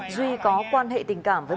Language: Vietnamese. duy có quan hệ tình cảm với